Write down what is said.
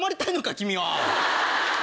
君は。